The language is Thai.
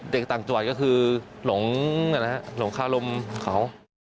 เด็กต่างจวัดก็คือหลงหลงคาลมเขา